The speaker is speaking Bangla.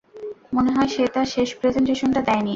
মনে হয় সে তার শেষ প্রেজেন্টেশনটা দেয়নি।